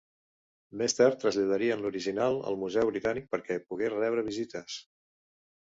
Més tard traslladarien l'original al Museu Britànic perquè pogués rebre visites.